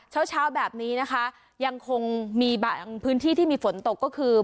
เช้าเช้าแบบนี้นะคะยังคงมีบางพื้นที่ที่มีฝนตกก็คือ